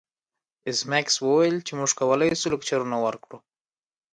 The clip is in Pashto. ایس میکس وویل چې موږ کولی شو لکچرونه ورکړو